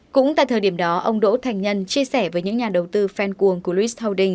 cũng tại thời điểm đó ông đỗ thành nhân chia sẻ với những nhà đầu tư fan cuồng của lewis holding